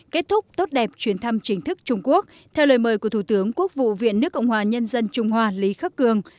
kết thúc tốt đẹp chuyến thăm chính thức trung quốc theo lời mời của thủ tướng quốc vụ viện nước cộng hòa nhân dân trung hoa lý khắc cường